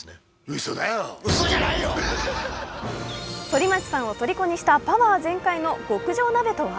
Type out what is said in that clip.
反町さんをとりこにしたパワー全開の極上鍋とは？